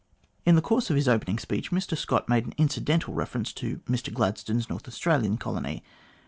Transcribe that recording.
In the course of his opening speech, Mr Scott made an incidental reference to Mr Gladstone's North Australian colony.